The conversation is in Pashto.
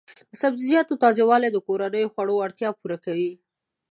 د سبزیجاتو تازه والي د کورنیو خوړو اړتیا پوره کوي.